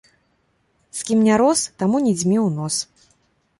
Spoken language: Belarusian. З кім не рос, таму не дзьмі ў нос.